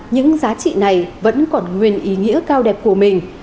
những giá trị này vẫn còn nguyên ý nghĩa cao đẹp của mình